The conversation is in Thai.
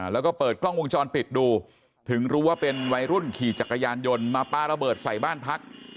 แล้วก็เปิดกล้องวงจรปิดดูถึงรู้ว่าเป็นวัยรุ่นขี่จักรยานยนต์มาปลาระเบิดใส่บ้านพัก